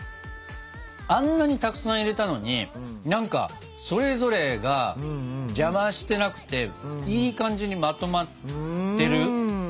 あんなにたくさん入れたのに何かそれぞれが邪魔してなくていい感じにまとまってる。